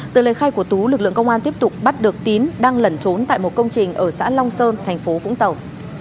từ lời khai của tú lực lượng công an tiếp tục bắt được tín đang lẩn trốn tại một công trình ở xã long sơn thành phố vũng tàu